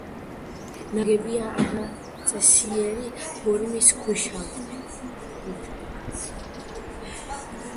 ნაგებია არაწესიერი ფორმის ქვიშაქვით.